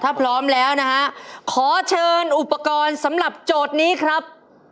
ถ้าพร้อมแล้วนะฮะขอเชิญอุปกรณ์สำหรับโจทย์นี้ครับ